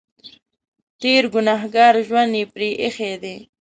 تېر ګنهګار ژوند یې پرې اېښی دی.